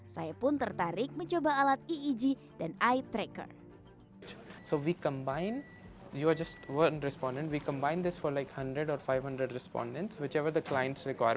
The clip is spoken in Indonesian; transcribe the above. saya pun tertarik mencoba alat eeg dan eye tracker